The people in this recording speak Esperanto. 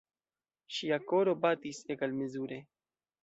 Ŝia koro batis egalmezure.